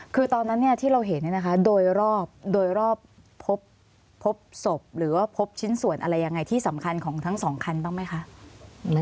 คือตอนนั้นที่เราเห็นโดยรอบโดยรอบพบศพหรือว่าพบชิ้นส่วนอะไรยังไงที่สำคัญของทั้งสองคันบ้างไหมคะ